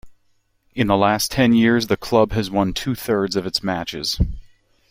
In the last ten years, the club has won two thirds of its matches.